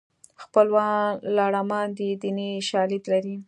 خپلوان لړمان دي دیني شالید لري